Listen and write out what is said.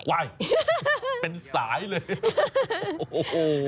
ว้ายเป็นสายเลย